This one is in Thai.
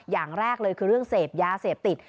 อย่างแรกเลยคือเรื่องเสพยาเสพติด